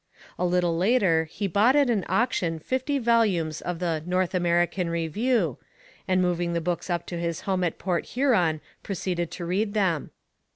A little later he bought at an auction fifty volumes of the "North American Review," and moving the books up to his home at Port Huron proceeded to read them.